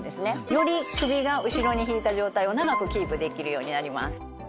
より首が後ろに引いた状態を長くキープできるようになります。